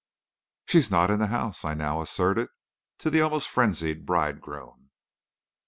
"'She is not in the house,' I now asserted to the almost frenzied bridegroom.